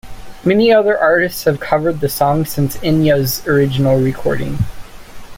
Many other artists have covered the song since Enya's original recording.